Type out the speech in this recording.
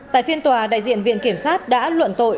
tại phiên tòa đại diện viện kiểm sát đã luận tội